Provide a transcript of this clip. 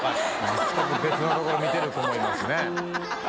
全く別のところ見てる子もいますね。）